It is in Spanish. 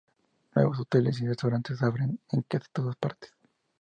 Nuevos hoteles y restaurantes abren en casi todas partes.